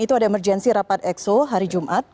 itu ada emergensi rapat exo hari jumat